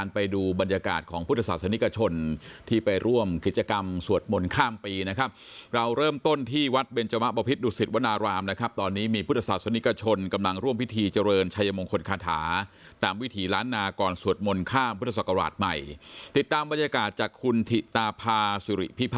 ไปดูบรรยากาศของพุทธศาสนิกชนที่ไปร่วมกิจกรรมสวดมนต์ข้ามปีนะครับเราเริ่มต้นที่วัดเบนจมะบพิษดุสิตวนารามนะครับตอนนี้มีพุทธศาสนิกชนกำลังร่วมพิธีเจริญชัยมงคลคาถาตามวิถีล้านนาก่อนสวดมนต์ข้ามพุทธศักราชใหม่ติดตามบรรยากาศจากคุณถิตาพาสิริพิพ